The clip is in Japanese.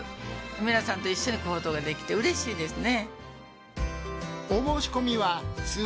皆さんと一緒に行動ができてうれしいですね。